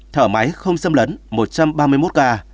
thở máy không xâm lấn một trăm ba mươi một ca